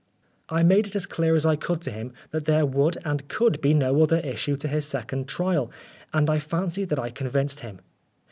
I made it as clear as I could to him that there would and could be no other issue to his second trial, and I fancy that I convinced him.